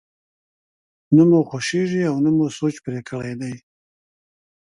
نه مو خوښېږي او نه مو سوچ پرې کړی دی.